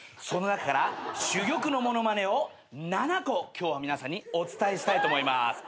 その中から珠玉の物まねを７個今日は皆さんにお伝えしたいと思います。